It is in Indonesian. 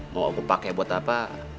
mau aku pakai buat apa